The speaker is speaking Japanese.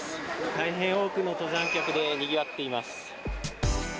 大変多くの登山客でにぎわっています。